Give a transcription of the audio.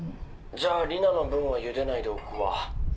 じゃあ里奈の分はゆでないでおくわ。